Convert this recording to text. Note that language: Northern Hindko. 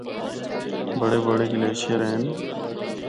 بڑے بڑے گلیشیر ہن۔